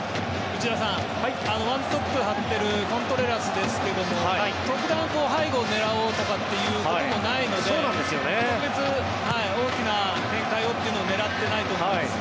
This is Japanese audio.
内田さんワントップを張ってるコントレラスですが特段、背後を狙おうということもないので特別、大きな展開をというのを狙っていないと思います。